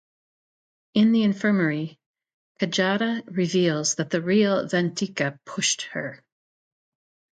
In the infirmary, Kajada reveals that the real Vantika pushed her.